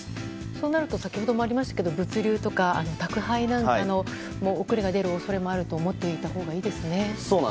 そうなると先ほどもありましたけど物流とか宅配に遅れが出る恐れがあると思っておいたほうがいいですね。